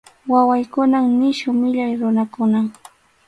Wawaykunan nisyu millay runakunam.